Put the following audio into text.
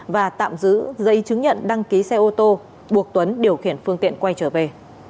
và tạm giữ giấy chứng nhận đăng ký xe ô tô buộc tuấn điều khiển phương tiện quay trở về